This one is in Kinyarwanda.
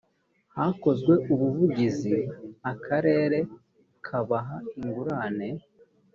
hakozwe ubuvugizi; akarere kabaha ingurane